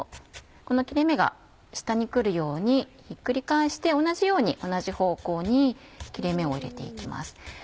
この切れ目が下に来るようにひっくり返して同じように同じ方向に切れ目を入れて行きます。